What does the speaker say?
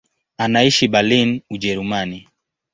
Anaishi Berlin, Ujerumani.